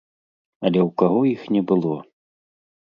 Але ў каго іх не было?